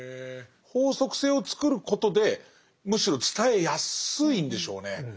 法則性を作ることでむしろ伝えやすいんでしょうね。